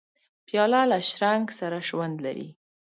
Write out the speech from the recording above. پیاله له شرنګ سره ژوند لري.